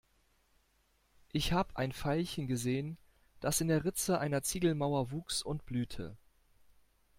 Ich hab ein Veilchen gesehen, das in der Ritze einer Ziegelmauer wuchs und blühte.